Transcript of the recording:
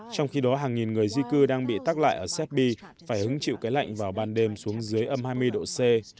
trong khi đó hàng nghìn người di cư đang bị tắc lại ở serbi phải hứng chịu cái lạnh vào ban đêm xuống dưới âm hai mươi độ c